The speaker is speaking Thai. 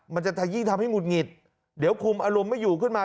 มันจะยิ่งทำให้หุดหงิดเดี๋ยวคุมอารมณ์ไม่อยู่ขึ้นมา